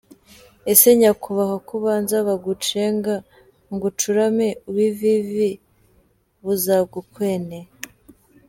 Ese Nyakubahwa ko ubanza bagucenga ngo ucurame ubuvivi buzagukwene?